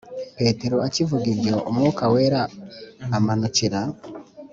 Petero akivuga ibyo Umwuka Wera amanukira